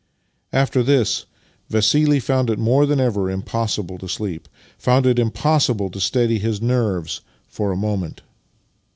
After this Vassili found it more than ever impossible to sleep — found it impossible to steady his nerves for a moment.